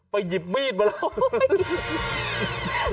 ไปหยิบมีดแล้ว